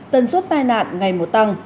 tần suốt tai nạn ngày một tăng